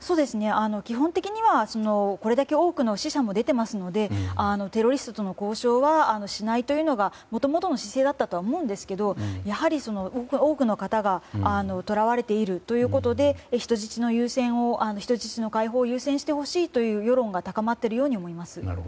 基本的には、これだけ多くの死者も出てますのでテロリストとの交渉はしないというのがもともとの姿勢だったと思うんですけどやはり多くの方がとらわれているということで人質の解放を優先してほしいという世論が高まっているように思います。